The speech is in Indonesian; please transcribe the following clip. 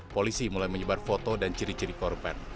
polisi mulai menyebar foto dan ciri ciri korban